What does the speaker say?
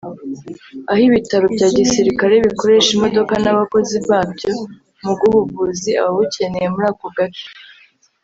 aho ibitaro bya gisirikare bikoresha imodoka n’abakozi babyo mu guha ubuvuzi ababukeneye muri ako gace